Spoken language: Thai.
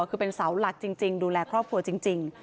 คือเป็นเสาหลักจริงดูแลครอบครัวจริง